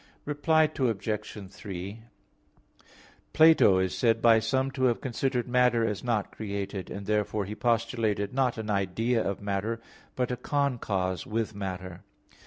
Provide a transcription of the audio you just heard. Reply Obj. 3: Plato is said by some to have considered matter as not created; and therefore he postulated not an idea of matter but a concause with matter.